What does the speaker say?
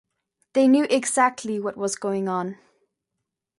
They knew exactly what was going on.